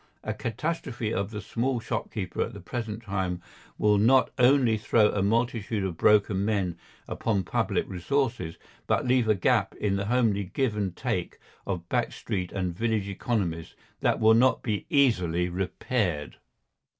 A catastrophe to the small shopkeeper at the present time will not only throw a multitude of broken men upon public resources, but leave a gap in the homely give and take of back street and village economies that will not be easily repaired.